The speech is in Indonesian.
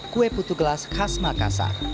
kue putu gelas khas makassar